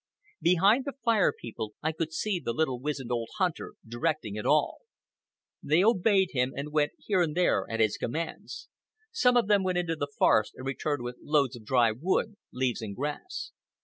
Behind the Fire People I could see the little wizened old hunter directing it all. They obeyed him, and went here and there at his commands. Some of them went into the forest and returned with loads of dry wood, leaves, and grass.